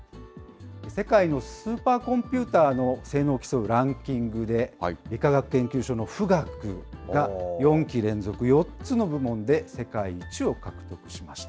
世界のスーパーコンピューターの性能を競うランキングで、理化学研究所の富岳が、４期連続４つの部門で世界一を獲得しました。